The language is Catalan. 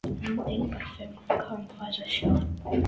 no entenc per què em fas això